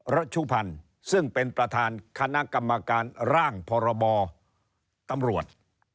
ชุพันธ์ซึ่งเป็นประธานคณะกรรมการร่างพรบตำรวจ